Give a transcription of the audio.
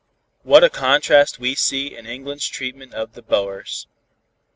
What a contrast we see in England's treatment of the Boers.